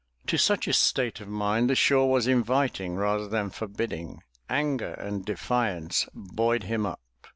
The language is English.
To such a state of mind the shore was inviting rather than forbidding. Anger and defiance buoyed him up.